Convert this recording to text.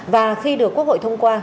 và khi được quốc hội thông qua